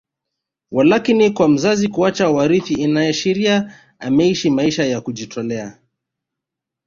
Walakini kwa mzazi kuacha warithi inashiria ameishi maisha ya kujitolea